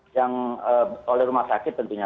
yang oleh rumah sakit tentunya